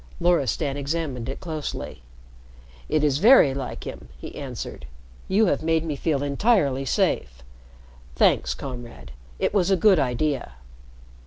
Loristan examined it closely. "It is very like him," he answered. "You have made me feel entirely safe. Thanks, Comrade. It was a good idea."